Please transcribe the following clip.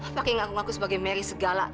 pakai ngaku ngaku sebagai mary segala